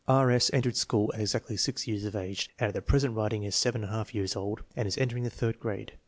E. S. entered school at exactly 6 years of age, and at the present writing is 7% years old and is entering the third grade.